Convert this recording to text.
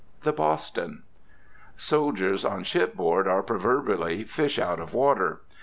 THE "BOSTON." Soldiers on shipboard are proverbially fish out of water.